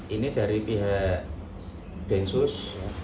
ini dari pihak densus